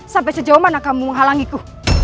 sampai sejauh mana kamu menghalangiku